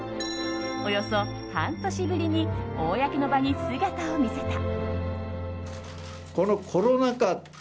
およそ半年ぶりに公の場に姿を見せた。